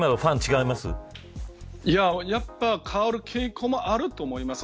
やっぱり変わる傾向もあると思います。